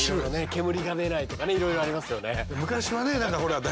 煙が出ないとかねいろいろありますよね。